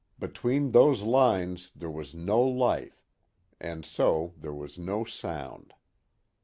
Between those lines there was no life, and so there was no sound.